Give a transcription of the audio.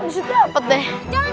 bisa dapet deh